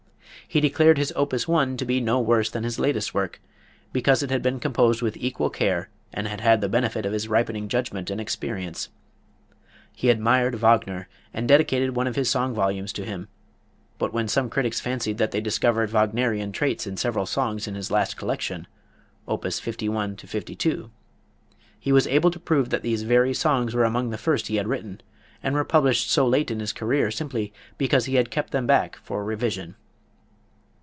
He declared his Opus 1 to be no worse than his latest work, because it had been composed with equal care and had had the benefit of his ripening judgment and experience. He admired Wagner and dedicated one of his song volumes to him; but when some critics fancied that they discovered Wagnerian traits in several songs in his last collection, Op. 51 52, he was able to prove that these very songs were among the first he had written, and were published so late in his career simply because he had kept them back for revision.